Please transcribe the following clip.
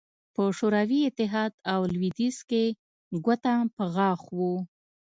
په شوروي اتحاد او لوېدیځ کې ګوته په غاښ وو